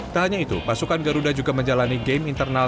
tak hanya itu pasukan garuda juga menjalani game internal